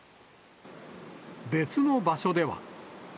別の場所では。